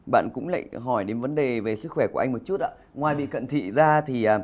bạn cũng lại hỏi đến vấn đề về sức khỏe của anh một chút ạ ngoài bị cận thị ra thì